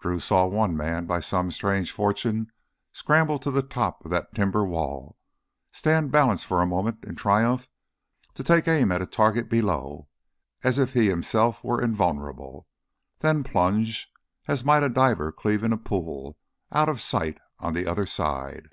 Drew saw one man by some strange fortune scramble to the top of that timber wall, stand balanced for a moment in triumph to take aim at a target below as if he himself were invulnerable, and then plunge, as might a diver cleaving a pool, out of sight on the other side.